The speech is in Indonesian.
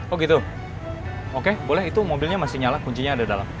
oh gitu oke boleh itu mobilnya masih nyala kuncinya ada dalam